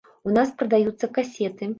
У нас прадаюцца касеты.